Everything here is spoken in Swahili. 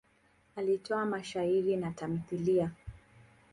Alitoa mashairi na tamthiliya.